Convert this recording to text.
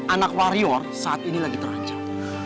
anak warior saat ini lagi terancam